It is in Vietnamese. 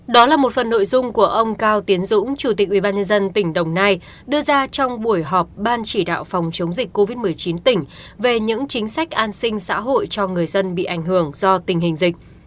đó là một phần nội dung của ông cao tiến dũng chủ tịch ubnd tỉnh đồng nai đưa ra trong buổi họp ban chỉ đạo phòng chống dịch covid một mươi chín tỉnh về những chính sách an sinh xã hội cho người dân bị ảnh hưởng do tình hình dịch